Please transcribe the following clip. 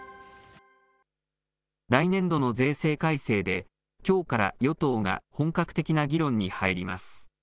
来年度の税制改正できょうから与党が本格的な議論に入ります。